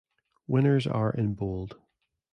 Winners are in bold.